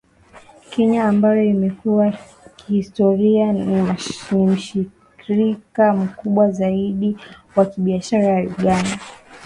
Kenya ambayo imekuwa kihistoria ni mshirika mkubwa zaidi wa kibiashara na Uganda